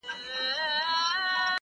عرب وویل غنم کلي ته وړمه-